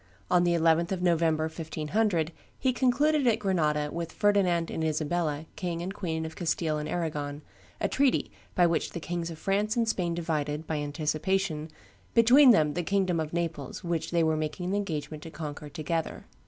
On the 11th of November, 1500, he concluded at Grenada "with Ferdinand and Isabella, King and Queen of Castile and Arragon," a treaty, by which the Kings of France and Spain divided, by anticipation, between them the kingdom of Naples, which they were making an engagement to conquer together.